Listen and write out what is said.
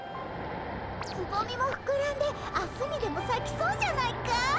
つぼみもふくらんで明日にでもさきそうじゃないかい。